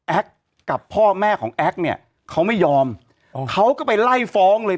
กับพ่อแม่ของแอ๊กเนี่ยเขาไม่ยอมเขาก็ไปไล่ฟ้องเลย